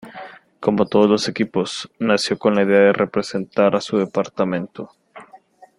Como todos los equipos, nació con la idea de representar a su departamento.